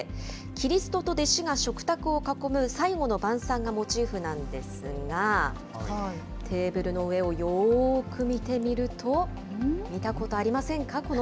キリストと弟子が食卓を囲む最後の晩さんがモチーフなんですが、テーブルの上をよーく見てみると、見たことありませんか？